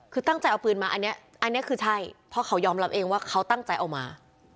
คือตั้งใจเอาปืนมาอันนี้อันนี้คือใช่เพราะเขายอมรับเองว่าเขาตั้งใจเอามา